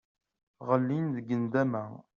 Ɣellint-d deg nndama.